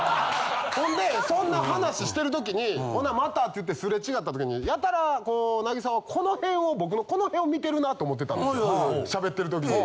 ほんでそんな話してるときに「ほなまた」って言ってすれ違った時にやたらこう凪咲はこの辺を僕のこの辺を見てるなと思ってたんですしゃべってる時に。